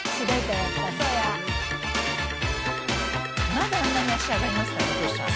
まだあんなに脚上がりますからねトシちゃん。